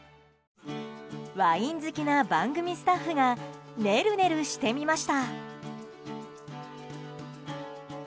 ワイン好きな番組スタッフがねるねるしてみました。